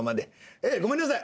ええごめんなさい。